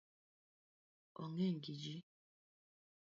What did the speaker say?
Ong’eny gi ji